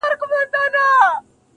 نور دي دسترگو په كتاب كي.